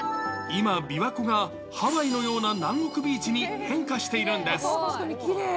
今、琵琶湖がハワイのような南国ビーチに変化しているんです。